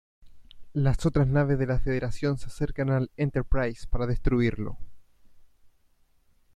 Las otras naves de la Federación se acercan al "Enterprise" para destruirlo.